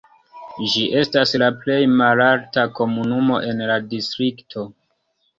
Ĝi estas la plej malalta komunumo en la distrikto.